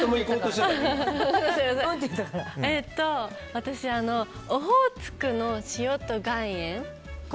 私、オホーツクの塩と岩塩。